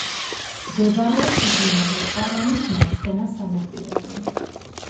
მდებარეობს მდინარე პარანის მარცხენა სანაპიროზე.